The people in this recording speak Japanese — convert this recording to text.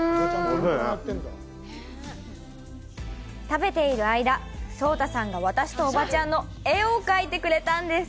食べている間、そーたさんが、私とおばちゃんの絵を描いてくれたんです。